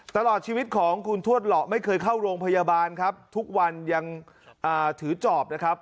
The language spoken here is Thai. ตลอดชีวิตของคุณทวดเหลาะไม่เคยเข้าโรงพยาบาลครับทุกวันยังถือจอบนะครับ